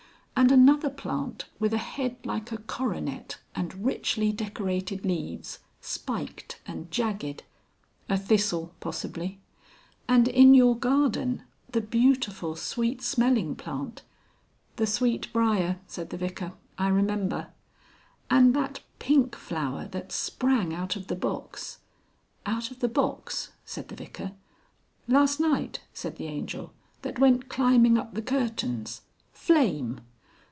And another plant with a head like a coronet, and richly decorated leaves, spiked and jagged " "A thistle, possibly." "And in your garden, the beautiful, sweet smelling plant " "The sweet briar," said the Vicar. "I remember." "And that pink flower that sprang out of the box " "Out of the box?" said the Vicar. "Last night," said the Angel, "that went climbing up the curtains Flame!"